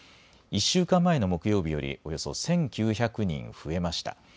１週間前の木曜日より、およそ１９００人増えました。